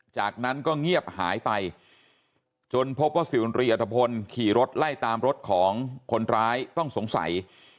จากนั้นก็เงียบหายไปจนพบว่าสื่อมวลชนขี่รถไล่ตามรถของคนร้ายต้องสงสัย